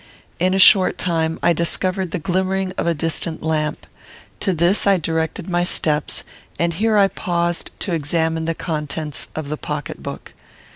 In a short time I discovered the glimmering of a distant lamp. To this I directed my steps, and here I paused to examine the contents of the pocket book.